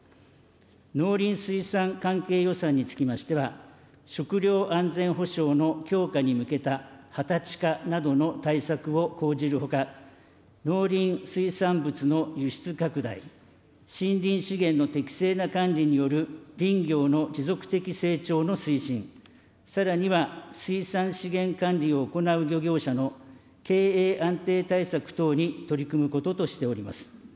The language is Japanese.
農林水産関係予算につきましては、食料安全保障の強化に向けた畑地化などの対策を講じるほか、農林水産物の輸出拡大、森林資源の適正な管理による林業の持続的成長の推進、さらには、水産資源管理を行う漁業者の経営安定対策等に取り組むこととしております。